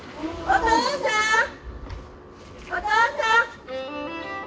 お父さん！